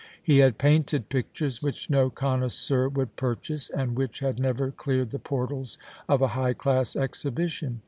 He had painted pictures which no connoisseur would purchase, and which had never cleared the portals of a high class exhibition.